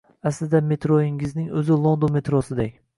Aslida metroyingizning oʻzi London metrosidek